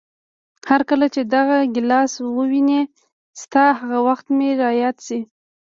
هرکله چې دغه ګیلاس ووینم، ستا هغه وخت مې را یاد شي.